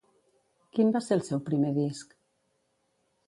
Quin va ser el seu primer disc?